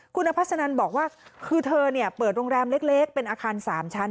คุณอภัสนันบอกว่าคือเธอเปิดโรงแรมเล็กเป็นอาคาร๓ชั้น